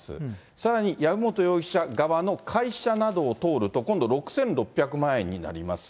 さらに籔本容疑者側の会社などを通ると今度６６００万円になります。